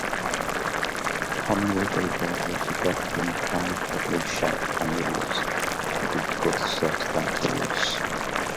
Honnwyd ei fod wedi derbyn rhai pleidleisiau annilys ac wedi gwrthod rhai dilys.